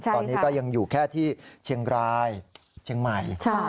ตอนนี้ก็ยังอยู่แค่ที่เชียงรายเชียงใหม่